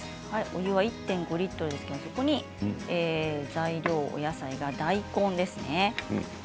お湯は１．５リットルですけれども、そこに材料をお野菜が大根ですね。